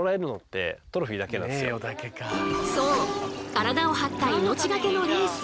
体を張った命がけのレース